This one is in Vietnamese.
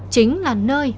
chính là nơi